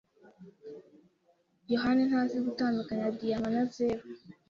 yohani ntazi gutandukanya diyama na zeru.